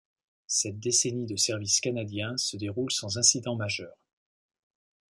Cette décennie de service canadien se déroule sans incident majeur.